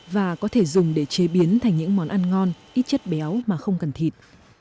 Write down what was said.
và có thể dùng để chế biến thành những món ăn ngon ít chất béo mà không cần thịt